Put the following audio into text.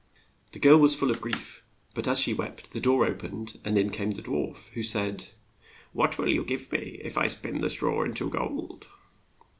The girl was full of grief, but as she wept, the door o pened and in came the dwarf, who said, "What will you give me if I spin the straw in to gold?